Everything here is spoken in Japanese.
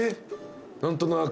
何となく？